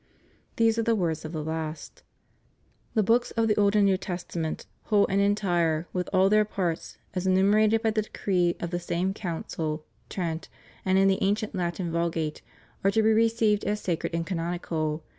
These are the words of the last: "The books of the Old and New THE STUDY OF HOLY SCRIPTURE. 297 Testament, whole and entire, with all their parts, as enu merated by the decree of the same Council (Trent) and in the ancient Latin Vulgate, are to be received as sacred and canonical.